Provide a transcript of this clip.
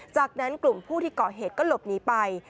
จากนั้นกลุ่มผู้ที่ก่อเหตุก็หลบหนีไป